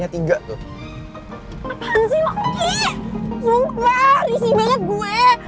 institusi biar ilangnya